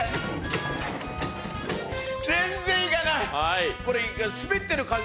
全然行かない。